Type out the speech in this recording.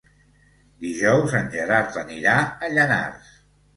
Dijous en Gerard anirà a Llanars.